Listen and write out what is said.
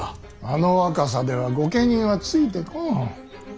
あの若さでは御家人はついてこん。